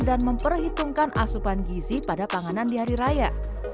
dan memperhitungkan asupan gizi pada panganan di hari raya